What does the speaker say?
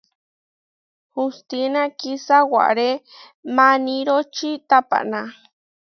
Hustína kisáware maniróči tapaná.